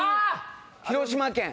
「広島県」